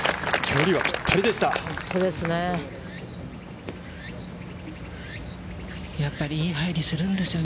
距離はぴったりでした。